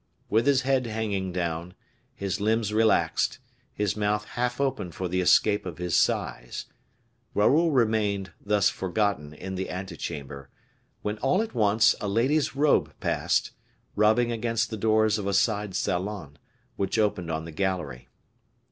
With his head hanging down, his limbs relaxed, his mouth half open for the escape of his sighs, Raoul remained, thus forgotten, in the ante chamber, when all at once a lady's robe passed, rubbing against the doors of a side salon, which opened on the gallery.